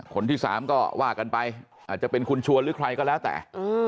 คนที่สามก็ว่ากันไปอาจจะเป็นคุณชวนหรือใครก็แล้วแต่